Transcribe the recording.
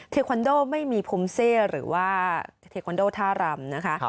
เทคอนโดไม่มีภูมิเซหรือว่าเทคอนโดท่ารำนะคะ